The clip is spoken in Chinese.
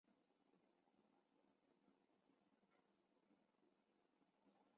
马哈茂德帕夏及其兄弟的祖父是或者。